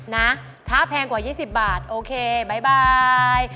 นะถ้าแพงกว่า๒๐บาทโอเคบ๊ายบาย